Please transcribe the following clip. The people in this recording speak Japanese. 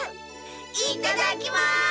いただきます！